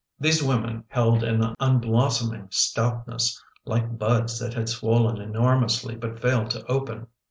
These women held an unblossoming stoutness, like buds that had swollen enormously but failed to open.